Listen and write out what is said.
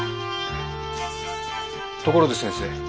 ところで先生